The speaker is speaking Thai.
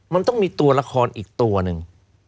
มันต้องมีตัวละครอีกตัวหนึ่ง